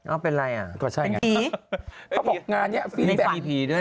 อ้าวเป็นไรอ่ะก็ใช่ไงเขาบอกงานเนี่ยฟีดแบ็ค